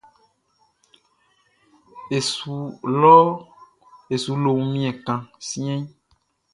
E su lo wunmiɛn kan siɛnʼn.